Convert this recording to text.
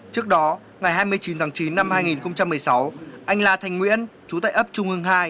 trước đó ngày hai mươi chín tháng chín năm hai nghìn một mươi sáu anh là thành nguyễn chú tại ấp trung hương hai